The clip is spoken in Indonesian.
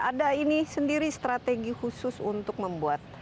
ada ini sendiri strategi khusus untuk membuat